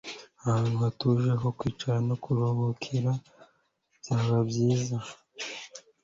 Ahantu hatuje ho kwicara no kuruhukira byaba byiza